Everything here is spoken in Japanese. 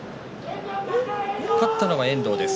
勝ったのは遠藤です。